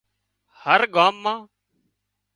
هر ڳام مان